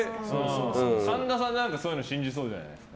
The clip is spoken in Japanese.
神田さん、そういうの信じそうじゃないですか。